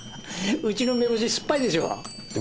うちの梅干し酸っぱいでしょ！